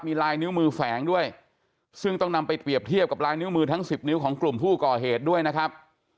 มีลายนิ้วมือแฝงด้วยซึ่งต้องนำไปเปรียบเทียบกับลายนิ้วมือทั้ง๑๐นิ้วของกลุ่มผู้ก่อเหตุด้วยนะครับ